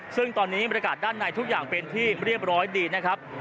ซึ่งตอนนี้บรรยากาศด้านในทุกอย่างเป็นที่เรียบร้อยดีนะครับ